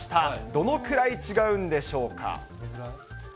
どのくらい違うんでしょうか。